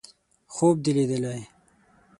_خوب دې ليدلی!